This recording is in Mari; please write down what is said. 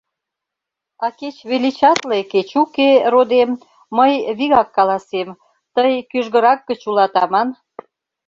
— А кеч величатле, кеч уке, родем, мый вигак каласем: тый кӱжгырак гыч улат аман!